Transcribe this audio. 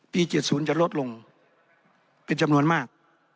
๗๐จะลดลงเป็นจำนวนมาก